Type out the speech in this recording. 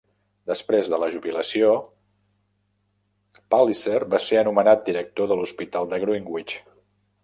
Després de la jubilació, Palliser va ser anomenat director de l"Hospital de Greenwich.